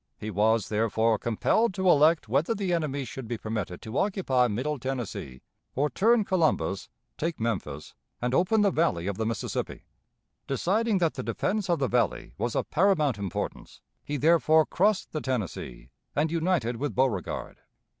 He was, therefore, compelled to elect whether the enemy should be permitted to occupy Middle Tennessee, or turn Columbus, take Memphis, and open the valley of the Mississippi. Deciding that the defense of the valley was of paramount importance, he therefore crossed the Tennessee and united with Beauregard.